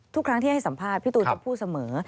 ทุกครั้งที่ให้สัมภาษณ์พี่ตูนจะพูดเสมอ